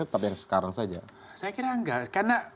dari satu pekerja bagaimanini ini